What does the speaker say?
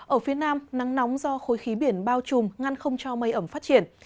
ở phía nam nắng nóng do khối khí biển bao trùm ngăn không cho mây ẩm phát triển